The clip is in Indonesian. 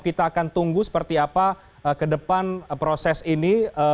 kita akan tunggu seperti apa ke depan proses ini